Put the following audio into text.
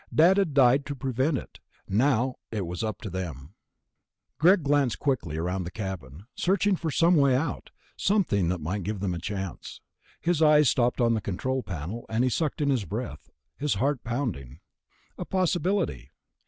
Dad had died to prevent it. Now it was up to them. Greg glanced quickly around the cabin, searching for some way out, something that might give them a chance. His eyes stopped on the control panel, and he sucked in his breath, his heart pounding. A possibility....